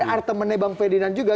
artemennya bang ferdinand juga